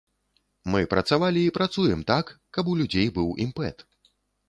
Мы працавалі і працуем так, каб у людзей быў імпэт.